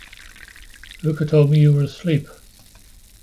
Louka told me you were asleep.